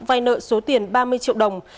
vay nợ số tiền ba mươi triệu đồng